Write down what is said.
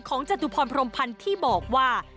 จตุพรพรมพันธ์ที่บอกว่า